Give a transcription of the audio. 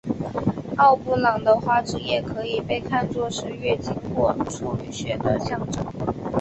奥布朗的花汁液可以被看做是月经血或处女血的象征。